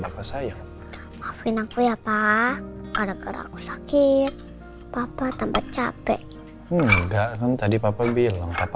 papa sayang maafin aku ya pak gara gara aku sakit papa tampak capek enggak kan tadi papa bilang apa